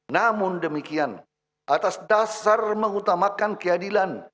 namun demikian atas dasar mengutamakan keadilan